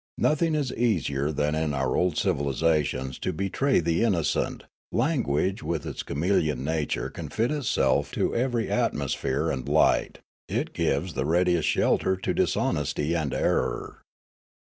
Nothing is easier than in our old civilisations to betray the innocent ; language with its chameleon nature can fit itself to every atmo sphere and light ; it gives the readiest shelter to dis honesty and error.